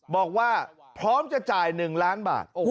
บอกว่าพร้อมจะจ่าย๑ล้านบาท